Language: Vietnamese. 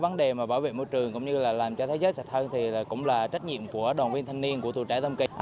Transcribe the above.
vấn đề bảo vệ môi trường cũng như làm cho thế giới sạch hơn cũng là trách nhiệm của đoàn viên thanh niên của tù trẻ tam kỳ